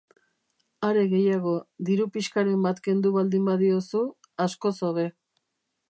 Are gehiago, diru pixkaren bat kendu baldin badiozu, askoz hobe.